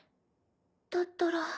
だったら。